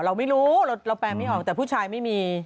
เราไม่รู้เราแปลไม่ออกแต่ผู้ชายไม่มี